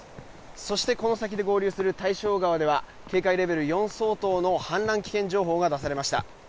そしてこの先で合流する川では警戒レベル４相当の避難指示が出されました。